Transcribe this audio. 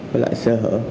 với lại sơ hở